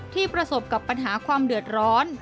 ประสบกับปัญหาความเดือดร้อน